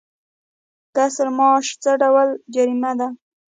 کسر معاش څه ډول جریمه ده؟